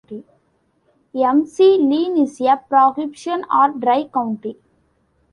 McLean is a prohibition or dry county.